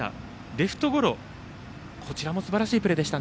レフトゴロもすばらしいプレーでした。